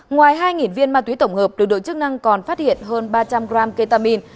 ngoài hai viên ma túy tổng hợp lực lượng chức năng còn phát hiện hơn ba trăm linh gram ketamine